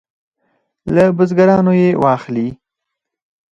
له بزګرانو یې واخلي.